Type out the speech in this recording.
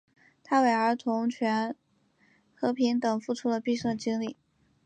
他为儿童权利和平等付出了毕生的精力。